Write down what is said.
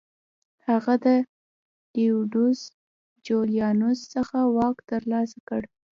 هغه له ډیډیوس جولیانوس څخه واک ترلاسه کړ